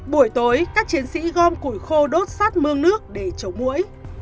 buổi tối các chiến sĩ gom củi khô đốt sát mương nước để chấu mũi